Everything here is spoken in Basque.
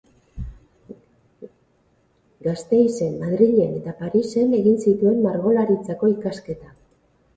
Gasteizen, Madrilen eta Parisen egin zituen Margolaritzako ikasketak.